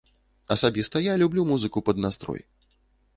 Асабіста я люблю музыку пад настрой.